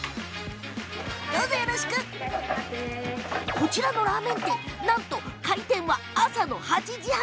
こちらのラーメン店なんと開店は朝８時半。